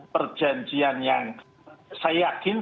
perjanjian yang saya yakin